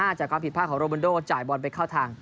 จากความผิดพลาดของโรมันโดจ่ายบอลไปเข้าทาง